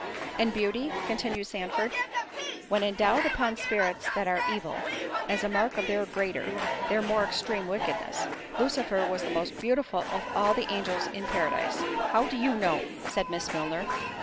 "And beauty," continued Sandford, "when endowed upon spirits that are evil, is a mark of their greater, their more extreme wickedness. Lucifer was the most beautiful of all the angels in Paradise"— "How do you know?" said Miss Milner.